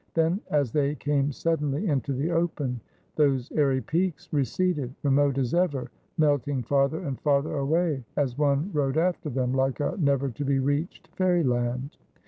Then as they came sud denly into the open, those airy peaks receded, remote as ever, melting farther and farther away as one rode after them, like a never to be reached fairyland.